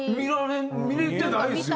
見れてないですよ